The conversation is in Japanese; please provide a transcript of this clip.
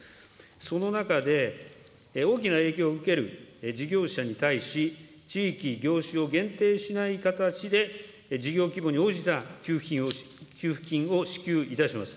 その中で大きな影響を受ける事業者に対し、地域、業種を限定しない形で、事業規模に応じた給付金を給付金を支給いたします。